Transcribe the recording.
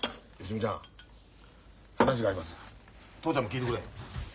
父ちゃんも聞いてくれ。